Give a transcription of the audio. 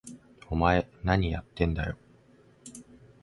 お前、なにやってんだよ！？